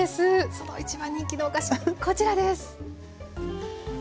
その一番人気のお菓子こちらです。